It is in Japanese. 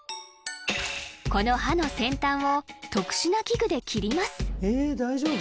この歯の先端を特殊な器具で切りますえ大丈夫？